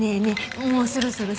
もうそろそろさ。